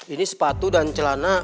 ini sepatu dan celana